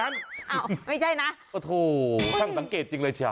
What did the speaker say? ไม่ใช่นะโอ้โหช่างสังเกตจริงเลยเชียว